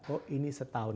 oh ini setahun